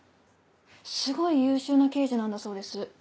すごい優秀な刑事なんだそうです。